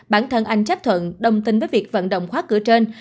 bản thân anh chấp thuận đồng tin với việc vận động khóa cửa trên